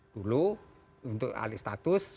dulu untuk alih status